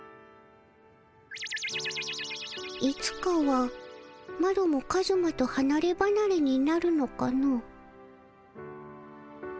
いつかはマロもカズマとはなればなれになるのかの。